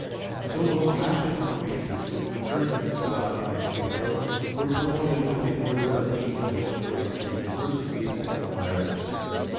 And so those rational creatures which were turned to God by free will, were promoted to the order of angels according to the diversity of merits.